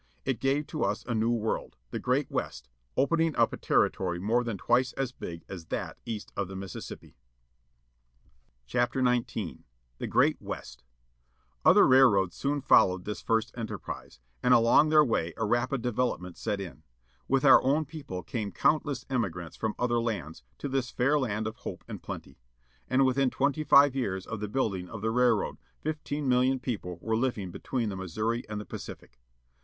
It gave to us a new world, the great West, opening up a territory more than twice as big as , â _^_^ that east of the Mississippi. BUFFALO Bll.l. !d4i ««* THE GREAT WEST THER railroads soon followed this first enterprise. And along their way a rapid development set in. With our own people came count less emigrants from other lands, to this fair land of hope and plenty. And within twenty five years of the building of the railroad fifteen million people were living between the Missouri and the Pacific.